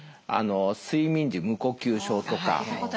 睡眠時無呼吸症とか。